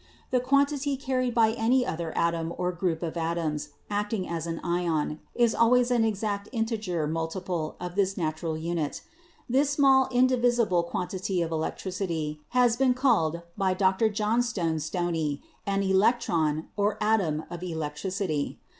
The quantity carried by any other atom or group of atoms acting as an ion is always an exact integer multiple of this natural unit. This small indivisible quantity of electricity has been called by Dr. Johnstone Stoney an electron or atom of electricity.